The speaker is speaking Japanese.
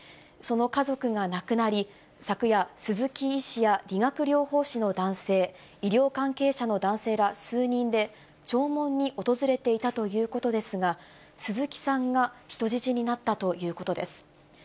その家族が亡くなり、昨夜、鈴木医師や理学療法士の男性、医療関係者の男性ら数人で、弔問に訪れていたということですが、鈴木さんが人質になったということです。